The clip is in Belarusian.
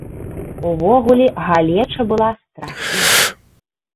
Увогуле, галеча была страшная.